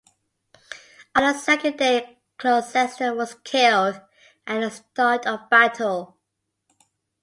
On the second day Gloucester was killed at the start of battle.